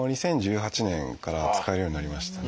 ２０１８年から使えるようになりましたね。